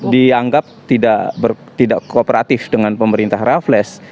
dianggap tidak kooperatif dengan pemerintah rafles